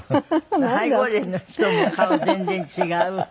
背後霊の人も顔全然違う。